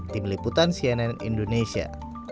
tim liputan cnn indonesia